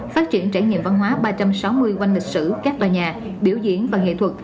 phát triển trải nghiệm văn hóa ba trăm sáu mươi quanh lịch sử các tòa nhà biểu diễn và nghệ thuật